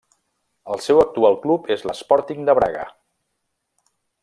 El seu actual club és l'Sporting de Braga.